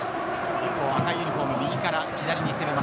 一方、赤いユニホーム、右から左に攻める。